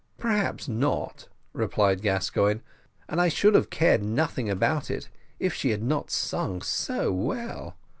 "Perhaps not," replied Gascoigne; "and I should have cared nothing about it, if she had not sung so well.